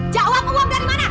jawab uang dari mana